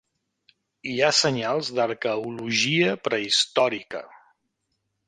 Hi ha senyals d'arqueologia prehistòrica.